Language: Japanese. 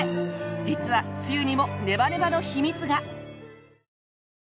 実はつゆにもネバネバの秘密が。